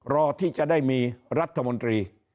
รอที่จะได้มีรัฐมนตรี